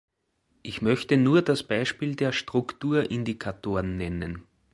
Ich möchte nur das Beispiel der Strukturindikatoren nennen.